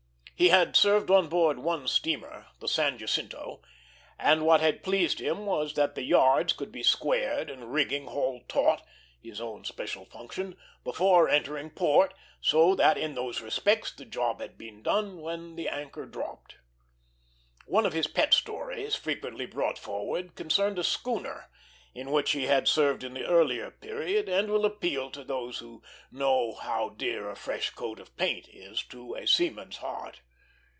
He had served on board one steamer, the San Jacinto; and what had pleased him was that the yards could be squared and rigging hauled taut his own special function before entering port, so that in those respects the job had been done when the anchor dropped. One of his pet stories, frequently brought forward, concerned a schooner in which he had served in the earlier period, and will appeal to those who know how dear a fresh coat of paint is to a seaman's heart.